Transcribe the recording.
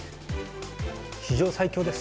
史上最強です。